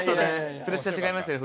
プレッシャー違いますよ